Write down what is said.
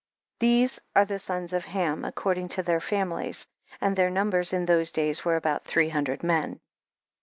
18. These are the sons of Ham, according to their famihes ; and their numbers in those days were about three hundred men.